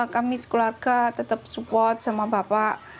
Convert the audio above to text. kami sekeluarga tetap support sama bapak